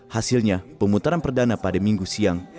hasilnya pemutaran perdana pada minggu siang